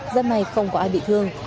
giấc may không có ai bị thương